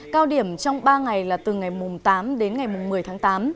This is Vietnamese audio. cao điểm trong ba ngày là từ ngày mùng tám đến ngày mùng một mươi tháng tám